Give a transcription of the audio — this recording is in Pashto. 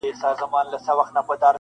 سړي وویل وراره دي حکمران دئ-